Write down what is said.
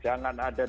jangan ada data data